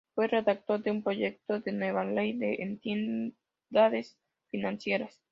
Fue redactor de un proyecto de nueva Ley de Entidades financieras.